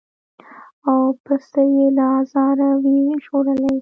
او پسه یې له آزاره وي ژغورلی